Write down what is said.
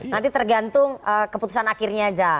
nanti tergantung keputusan akhirnya aja